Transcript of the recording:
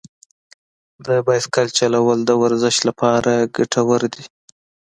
د بایسکل چلول د ورزش لپاره ګټور دي.